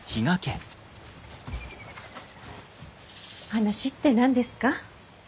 話って何ですか？